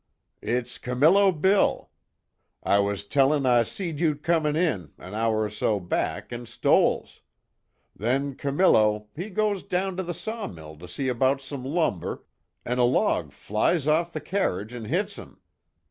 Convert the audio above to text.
"It's Camillo Bill. I was tellin' I see'd you comin' in an hour or so back, in Stoell's. Then Camillo, he goes down to the sawmill to see about some lumber, an' a log flies off the carriage an' hits him.